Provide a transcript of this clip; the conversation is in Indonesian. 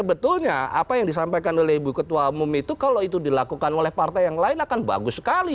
sebetulnya apa yang disampaikan oleh ibu ketua umum itu kalau itu dilakukan oleh partai yang lain akan bagus sekali